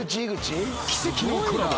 ［奇跡のコラボ。